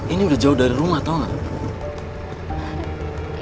ini udah jauh dari rumah tau gak